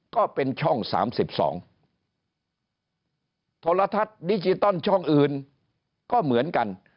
ก็เป็นช่องสามสิบสองโทรทัศน์ดิจิตอลช่องอื่นก็เหมือนกัน